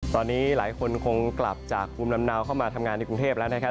ตอนนี้หลายคนคงกลับจากภูมิลำเนาเข้ามาทำงานในกรุงเทพแล้วนะครับ